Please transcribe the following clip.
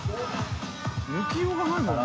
抜きようがないもんね。